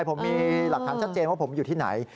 ผมมีหลักฐานชัดเจนว่าผมอยู่ที่ไหน